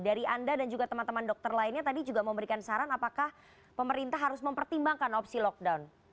dari anda dan juga teman teman dokter lainnya tadi juga memberikan saran apakah pemerintah harus mempertimbangkan opsi lockdown